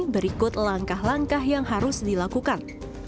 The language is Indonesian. berikut langkah langkah yang harus dilakukan